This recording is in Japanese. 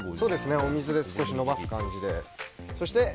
お水で少し伸ばす感じで。